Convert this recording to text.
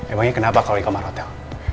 emangnya kenapa kalau di kamar hotel